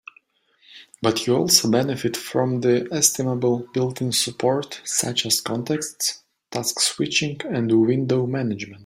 But you also benefit from the estimable built-in support such as contexts, task switching, and window management.